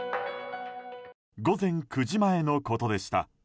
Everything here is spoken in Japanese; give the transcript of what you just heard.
午前９時前のことでした。